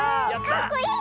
かっこいい！